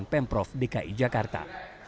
pemprov dki jakarta